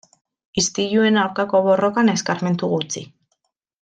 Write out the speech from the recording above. Istiluen aurkako borrokan eskarmentu gutxi.